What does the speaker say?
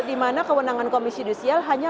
dimana kewenangan komisi judisial hanya